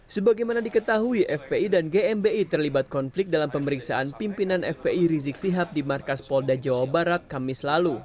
sebagaimana diketahui fpi dan gmbi terlibat konflik dalam pemeriksaan pimpinan fpi rizik sihab di markas polda jawa barat kamis lalu